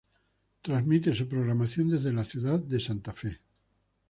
Transmite su programación desde la ciudad de Santa Fe.